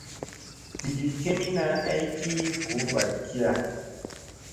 Digiɗ kemina aygi voo vaɗkiya.